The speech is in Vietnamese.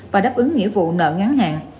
và đáp ứng nghĩa vụ nợ ngắn hạn